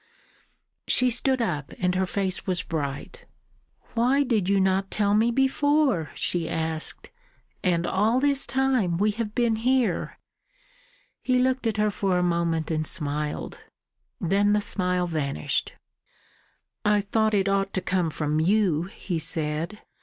She stood up, and her face was bright. "Why did you not tell me before?" she asked. "And all this time we have been here!" He looked at her for a moment, and smiled. Then the smile vanished. "I thought it ought to come from you," he said.